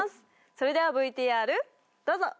それではＶＴＲどうぞ！